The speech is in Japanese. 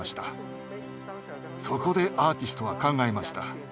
そこでアーティストは考えました。